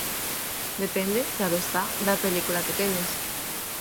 Depende, claro está, da película que teñas.